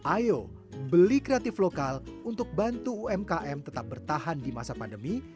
ayo beli kreatif lokal untuk bantu umkm tetap bertahan di masa pandemi